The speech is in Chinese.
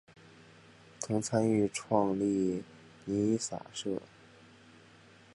曾参与创立弥洒社。